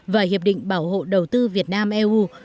và hiệp định bảo hộ đầu tư việt nam eu